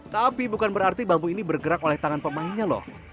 tapi bukan berarti bambu ini bergerak oleh tangan pemainnya loh